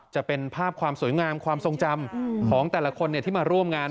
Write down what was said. จะเป็นภาพความสวยงามความทรงจำของแต่ละคนที่มาร่วมงาน